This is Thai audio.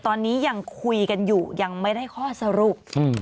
ตอนนี้ยังคุยกันอยู่ยังไม่ได้ข้อสรุป